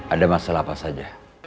ada masalah apa saja